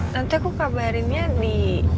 nanti aku kabarinnya di